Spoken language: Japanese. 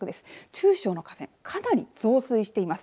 中小の河川かなり増水しています。